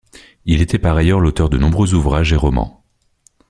Il était par ailleurs l'auteur de nombreux ouvrages et romans.